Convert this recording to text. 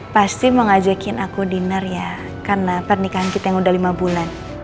pasti mau ngajakin aku diner ya karena pernikahan kita yang udah lima bulan